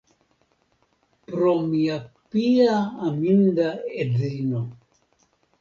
Pro mia pia, aminda edzino.